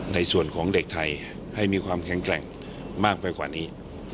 ในส่วนของเด็กไทยให้มีความแข็งแกร่งมากไปกว่านี้